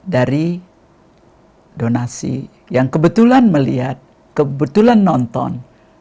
dari donasi yang kebetulan melihat kebetulan nonton